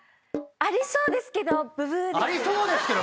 「ありそうですけどブブー」